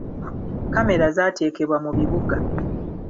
Kamera zateekebwa mu bubuga.